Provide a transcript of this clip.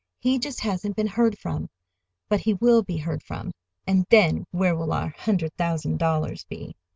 "He just hasn't been heard from. But he will be heard from—and then where will our hundred thousand dollars be?"